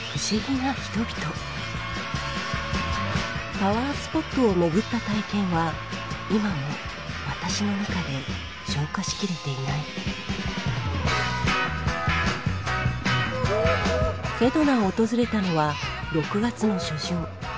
パワースポットを巡った体験は今も私の中で消化しきれていないセドナを訪れたのは６月の初旬。